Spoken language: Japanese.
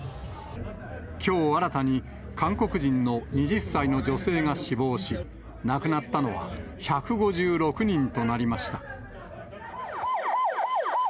きょう、新たに韓国人の２０歳の女性が死亡し、亡くなったのは１５６人となりました。